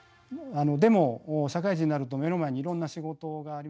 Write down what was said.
でも社会人になると目の前にいろんな仕事がありますよね。